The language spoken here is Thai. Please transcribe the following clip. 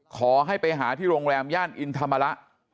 ขอให้ไปหาที่โรงแรมย่านอินธรรมระ